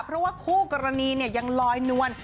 เพราะว่าคู่กรณียังลอยนวล